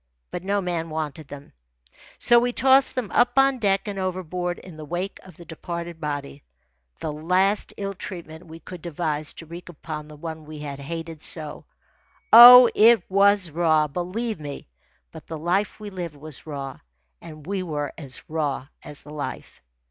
But no man wanted them, so we tossed them up on deck and overboard in the wake of the departed body the last ill treatment we could devise to wreak upon the one we had hated so. Oh, it was raw, believe me; but the life we lived was raw, and we were as raw as the life.